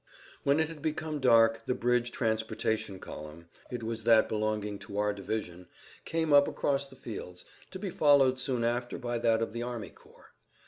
When it had become dark the bridge transportation column—it was that belonging to our division—came up across the fields, to be followed soon after by that of the army corps.